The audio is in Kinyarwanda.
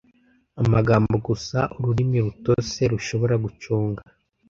amagambo gusa ururimi rutose rushobora gucunga,